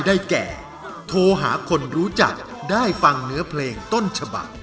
รายการต่อไปนี้เป็นรายการทั่วไปสามารถรับชมได้ทุกวัย